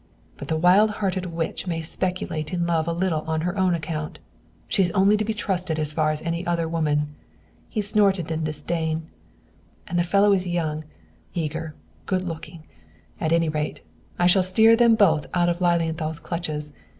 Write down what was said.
"But the wild hearted witch may speculate in love a little on her own account. She is only to be trusted as far as any other woman." He snorted in disdain. "And the fellow is young, eager, good looking. At any rate, I shall steer them both out of Lilienthal's clutches.